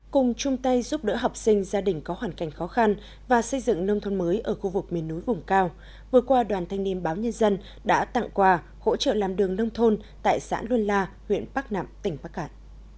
cùng chung tay giúp đỡ học sinh gia đình có hoàn cảnh khó khăn và xây dựng nông thôn mới ở khu vực miền núi vùng cao vừa qua đoàn thanh niên báo nhân dân đã tặng quà hỗ trợ làm đường nông thôn tại xã luân la huyện bắc nạm tỉnh bắc cạn